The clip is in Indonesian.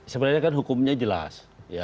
sebenarnya kan hukumnya jelas